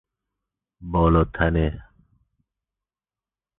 بالاتنه